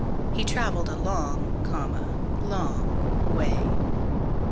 He travelled a long, long way.